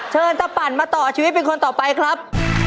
ตะปั่นมาต่อชีวิตเป็นคนต่อไปครับ